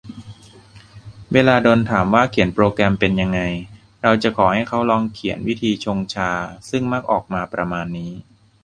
เวลาโดนถามว่าเขียนโปรแกรมเป็นยังไง เราจะขอให้เขาลองเขียนวิธีชงชา ซึ่งมักออกมาประมาณนี้